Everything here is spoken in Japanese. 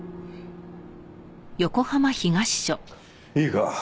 いいか？